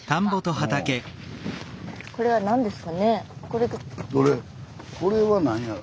これは何や。